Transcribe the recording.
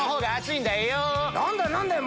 何だよ何だよ！